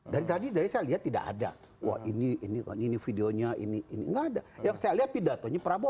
dari tadi saya lihat tidak ada wah ini ini kan ini videonya ini ini enggak ada yang saya lihat